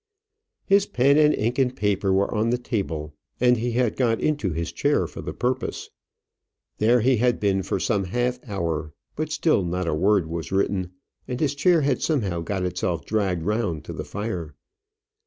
His pen and ink and paper were on the table, and he had got into his chair for the purpose. There he had been for some half hour, but still not a word was written; and his chair had somehow got itself dragged round to the fire.